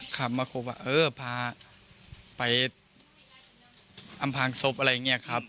ขับมาคบว่าเออพาไปอำพางศพอะไรอย่างนี้ครับ